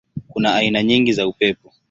Kuna aina nyingi za upepo.